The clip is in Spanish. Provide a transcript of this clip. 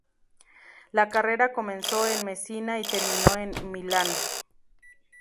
La carrera comenzó en Mesina y terminó en Milán.